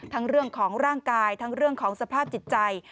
เรื่องของร่างกายทั้งเรื่องของสภาพจิตใจ